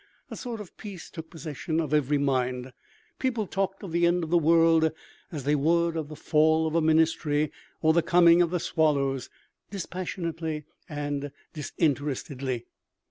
A sort of peace took possession of every mind. People talked of the end of the world as they would of the fall of a ministry, or the coming of the swallows dispassionately and disinterestedly.